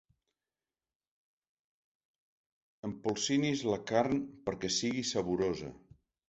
Empolsinis la carn perquè sigui saborosa.